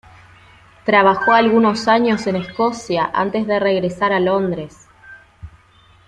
Trabajó algunos años en Escocia antes de regresar a Londres.